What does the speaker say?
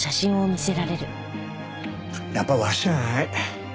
やっぱわしやない。